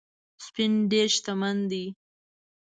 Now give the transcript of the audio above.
سپین ډېر شتمن دی